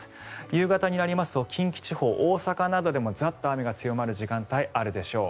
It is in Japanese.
夕方になりますと近畿地方、大阪などでもザッと雨が強まる時間帯あるでしょう。